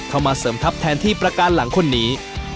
มาเสริมทัพแทนที่ประการหลังคนนี้